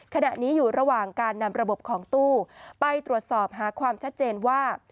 ขณะนี้อยู่ระหว่างการนำระบบของตู้ไปตรวจสอบหาความชัดเจนว่า